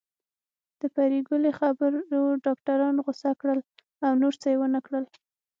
د پري ګلې خبرو ډاکټران غوسه کړل او نور څه يې ونکړل